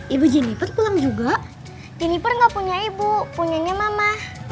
ibu jenifer pulang juga jenifer enggak punya ibu punyanya mama